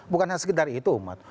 bukan hanya sekedar itu umat